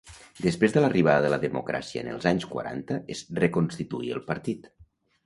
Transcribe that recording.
Després de l'arribada de la democràcia en els anys quaranta es reconstituí el partit.